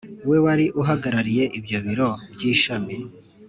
we wari uhagarariye ibyo biro by ishami